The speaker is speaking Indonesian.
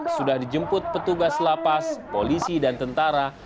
sudah dijemput petugas lapas polisi dan tentara